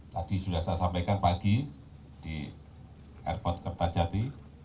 tadi sudah saya sampaikan pagi di airport kertajati